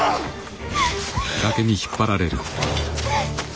あ！